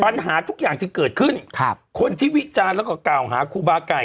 ปัญหาทุกอย่างที่เกิดขึ้นครับคนที่วิจารณ์แล้วก็กล่าวหาครูบาไก่